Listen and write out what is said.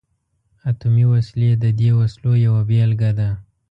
اتمي وسلې د دې وسلو یوه بیلګه ده.